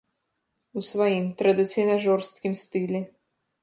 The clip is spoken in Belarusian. У сваім, традыцыйна жорсткім стылі.